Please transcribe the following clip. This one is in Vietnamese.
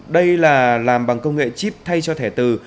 đây là làm bằng công nghệ chip thay cho thẻ từ